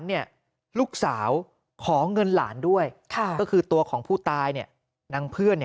ลูกสาวขอเงินหลานด้วยก็คือตัวของผู้ตายนางเพื่อน